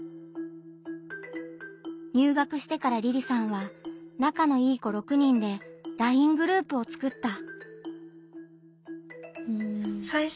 入学してからりりさんは仲のいい子６人でＬＩＮＥグループを作った。